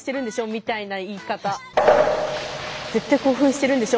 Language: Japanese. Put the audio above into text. みたいな言い方。